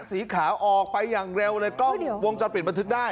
สีขาวออกไปอย่างเร็วเลยกล้องวงจรปิดบันทึกได้